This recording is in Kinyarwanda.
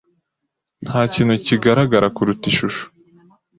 Ntakintu kigaragara kuruta ishusho.